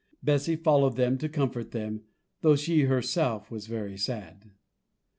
Bessy followed them to comfort them, though she herself was very sad.